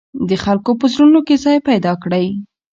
د خلکو په زړونو کې ځای پیدا کړئ.